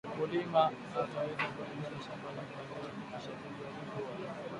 Mkulima atawezaje kulilinda shamba lake la viazi lishe dhidi ya wadudu hao haribifu